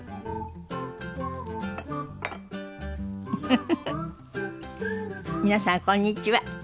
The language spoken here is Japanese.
フフフフ皆さんこんにちは。